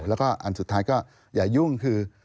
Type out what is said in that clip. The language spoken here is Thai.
แล้วก็อันสุดท้ายก็อย่ายุ่งคือ